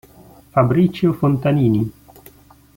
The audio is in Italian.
Fabricio Fontanini